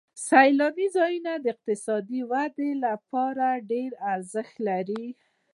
سیلاني ځایونه د اقتصادي ودې لپاره ډېر ارزښت لري.